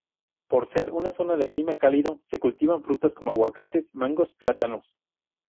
Por ser una zona de clima cálido, se cultivan frutas como aguacates, mangos, plátanos.